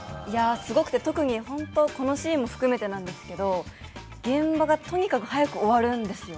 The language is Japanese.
すごくて、特にこのシーンも含めてなんですけど現場がとにかく早く終わるんですよ。